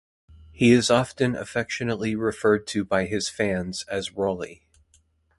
He is often affectionately referred to by his fans as Roli.